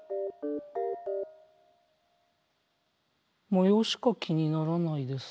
模様しか気にならないです？